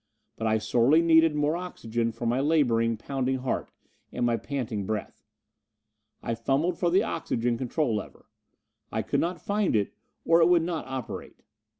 But I sorely needed more oxygen for my laboring, pounding heart and my panting breath. I fumbled for the oxygen control lever. I could not find it; or it would not operate.